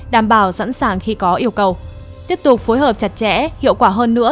đảm bảo sẵn sàng khi có yêu cầu tiếp tục phối hợp chặt chẽ hiệu quả hơn nữa